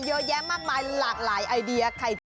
เยอะแยะมากมายหลากหลายไอเดีย